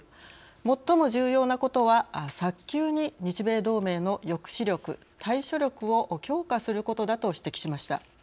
「最も重要なことは早急に日米同盟の抑止力・対処力を強化することだ」と指摘しました。